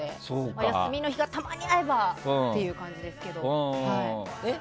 お休みの日がたまに合えばって感じですけど。